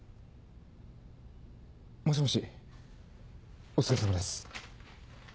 もしもしお疲れさまです。